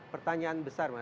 pertanyaan besar bapak